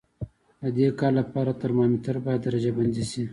د دې کار لپاره ترمامتر باید درجه بندي شي.